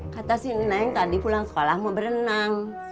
kata si neng tadi pulang sekolah mau berenang